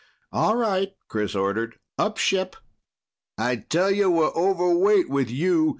"All right," Chris ordered. "Up ship!" "I tell you we're overweight with you.